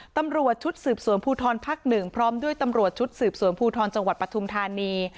ตำรวจชุดสืบสวนภูทรภักดิ์๑พร้อมด้วยตำรวจชุดสืบสวนภูทรจังหวัดปฐุมธานี